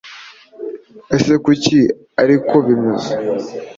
ese kuki ariko bimeze